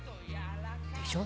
でしょ？